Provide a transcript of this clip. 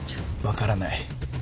分からない。